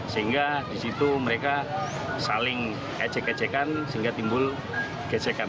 sehingga disitu mereka saling ejek ejekan sehingga timbul gejekan